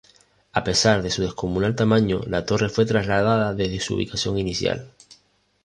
A pesar de su descomunal tamaño, la torre fue trasladada desde su ubicación inicial.